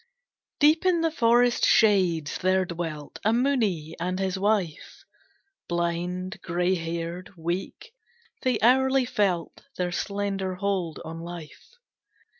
Deep in the forest shades there dwelt A Muni and his wife, Blind, gray haired, weak, they hourly felt Their slender hold on life.